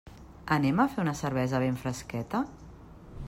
Anem a fer una cervesa ben fresqueta?